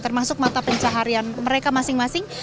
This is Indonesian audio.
termasuk mata pencaharian mereka masing masing